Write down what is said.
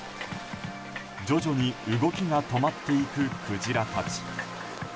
徐々に動きが止まっていくクジラたち。